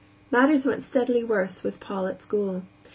Matters went steadily worse with Paul at school.